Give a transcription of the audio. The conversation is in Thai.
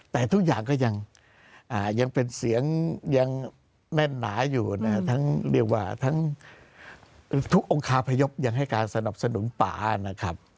แต่ทุกอย่างก็ยังเป็นเสียงยังแน่นหนาอยู่นะทั้งเรียกว่าทั้งทุกองคาพยพยังให้การสนับสนุนป่านะครับ